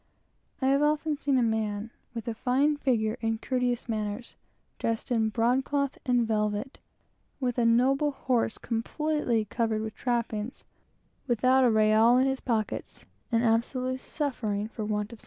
I have often seen a man with a fine figure, and courteous manners, dressed in broadcloth and velvet, with a noble horse completely covered with trappings; without a real in his pocket, and absolutely suffering for something to eat.